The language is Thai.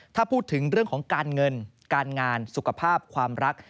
ถ้าพูดถึงเรื่องของการเงินการงานสุขภาพความรัก